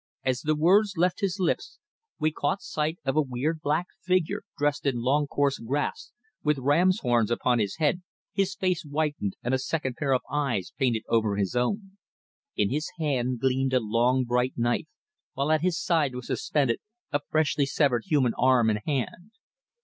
As the words left his lips we caught sight of a weird black figure dressed in long coarse grass, with rams' horns upon his head, his face whitened and a second pair of eyes painted over his own. In his hand gleamed a long bright knife, while at his side was suspended a freshly severed human arm and hand.